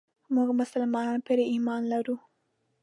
موږ مسلمانان پرې ايمان لرو.